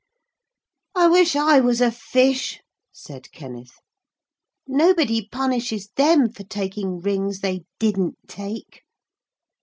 'I wish I was a fish,' said Kenneth. 'Nobody punishes them for taking rings they didn't take.'